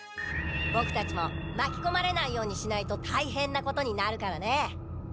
ボクたちも巻きこまれないようにしないとたいへんなことになるからね。